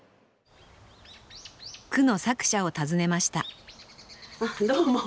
句の作者を訪ねましたどうも。